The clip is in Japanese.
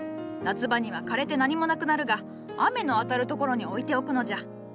夏場には枯れて何もなくなるが雨の当たる所に置いておくのじゃ。